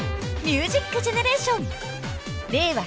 ［『ミュージックジェネレーション』令和